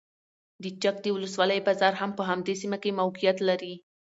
د چک د ولسوالۍ بازار هم په همدې سیمه کې موقعیت لري.